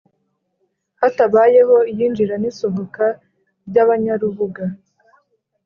(hatabayeho iyinjira n’isohoka ry’abanyarubuga).